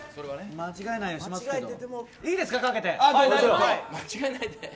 間違えないで！